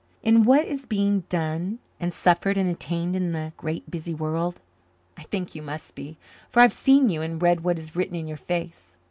"In what is being done and suffered and attained in the great busy world? I think you must be for I have seen you and read what is written in your face.